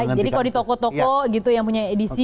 baik jadi kalau di toko toko gitu yang punya edisi